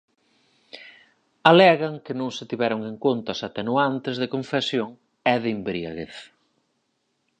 Alegan que non se tiveron en conta as atenuantes de confesión e de embriaguez.